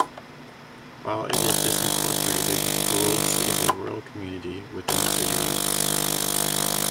While it is disincorporated, Goulds is a rural community within the city limits.